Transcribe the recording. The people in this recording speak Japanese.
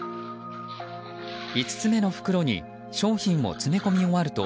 ５つ目の袋に商品を詰め込み終わると